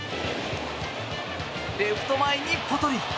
レフト前にポトリ。